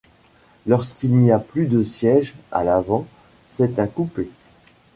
Lorsqu’il n’y a plus de siège à l’avant, c’est un coupé.